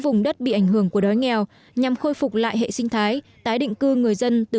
vùng đất bị ảnh hưởng của đói nghèo nhằm khôi phục lại hệ sinh thái tái định cư người dân từ